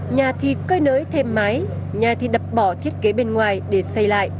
nhà thì cơi nới thêm mái nhà thì đập bỏ thiết kế bên ngoài để xây lại